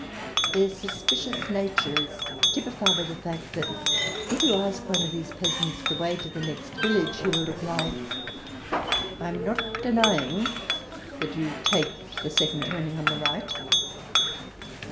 Their suspicious nature is typified by the fact that if you ask one of these peasants the way to the next village, he will reply, " I am not denying that you take the second turning on the right."